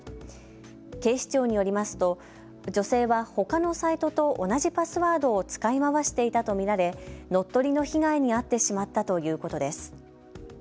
警視庁によりますと女性はほかのサイトと同じパスワードを使い回していたと見られ乗っ取りの被害に遭ってしまったということです。